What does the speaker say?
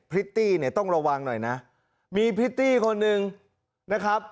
พริตตี้เนี่ยต้องระวังหน่อยนะมีพริตตี้คนหนึ่งนะครับ